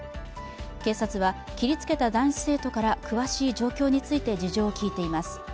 警察は、切りつけた男子生徒から詳しい状況について事情を聴いています。